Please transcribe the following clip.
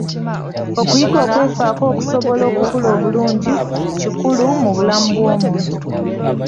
Okuyiga okwefaako okusobola okukula obulungi kikulu mu bulamu bw'omuntu